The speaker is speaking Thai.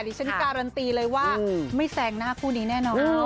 ดิฉันการันตีเลยว่าไม่แซงหน้าคู่นี้แน่นอน